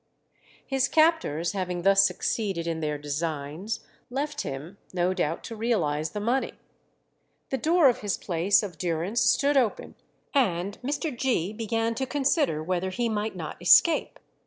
His captors having thus succeeded in their designs, left him, no doubt to realize the money. The door of his place of durance stood open, and Mr. Gee began to consider whether he might not escape.